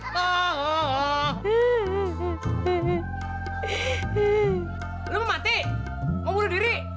lu mau mati mau bunuh diri